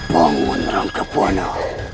bangun rangka buana